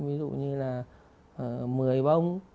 ví dụ như là một mươi bông